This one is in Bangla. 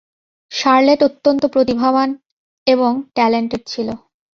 শার্লেট অত্যন্ত প্রতিভাবান এবং ট্যালেন্টড ছিল।